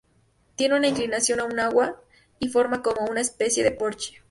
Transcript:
Tiene una inclinación a un agua y forma como una especie de porche.